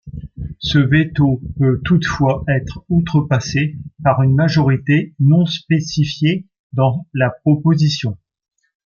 Ce veto peut toutefois être outrepassé par une majorité non spécifiée dans la proposition.